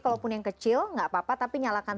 kalau pun yang kecil nggak apa apa tapi nyalakan